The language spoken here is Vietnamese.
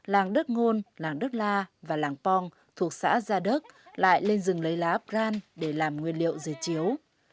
làng đất ngôn làng đất la và làng pong thuộc xã gia đất lại lên rừng lấy lá brand để làm nguyên liệu giật chiếu